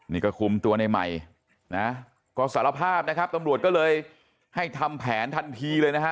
นี่ก็คุมตัวในใหม่นะก็สารภาพนะครับตำรวจก็เลยให้ทำแผนทันทีเลยนะฮะ